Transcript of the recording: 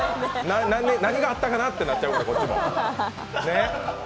何があったかなってなっちゃうから、こっちも。